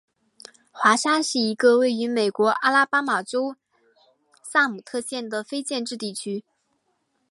华沙是一个位于美国阿拉巴马州萨姆特县的非建制地区。